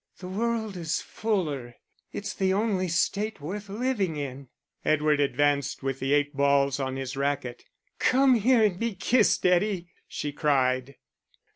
The world is fuller.... It's the only state worth living in." Edward advanced with the eight balls on his racket. "Come here and be kissed, Eddie," she cried.